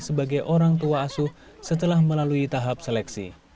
sebagai orang tua asuh setelah melalui tahap seleksi